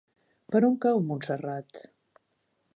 Per on cau Montserrat?